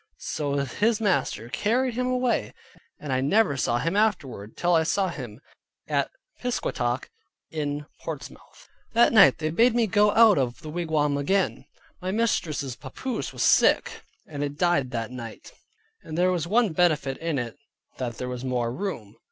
So his master carried him away, and I never saw him afterward, till I saw him at Piscataqua in Portsmouth. That night they bade me go out of the wigwam again. My mistress's papoose was sick, and it died that night, and there was one benefit in it that there was more room.